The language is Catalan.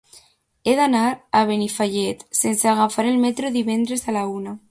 He d'anar a Benifallet sense agafar el metro divendres a la una.